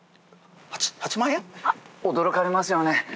驚かれますよね。